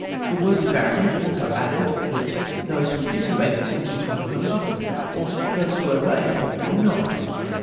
The worthy baronet also added that ' those who disobeyed the signals were promoted, whilst those who obeyed Avere not.'